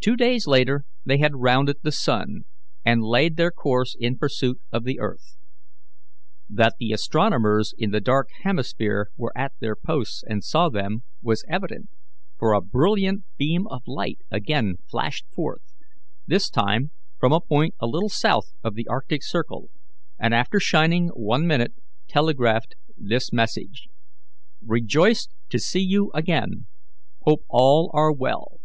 Two days later they had rounded the sun, and laid their course in pursuit of the earth. That the astronomers in the dark hemisphere were at their posts and saw them, was evident; for a brilliant beam of light again flashed forth, this time from a point a little south of the arctic circle, and after shining one minute, telegraphed this message: "Rejoiced to see you again. Hope all are well."